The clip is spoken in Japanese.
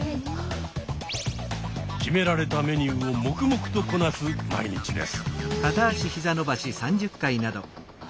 決められたメニューを黙々とこなす毎日です。